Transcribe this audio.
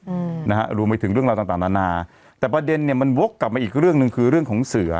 อืมนะฮะรวมไปถึงเรื่องราวต่างต่างนานาแต่ประเด็นเนี้ยมันวกกลับมาอีกเรื่องหนึ่งคือเรื่องของเสือ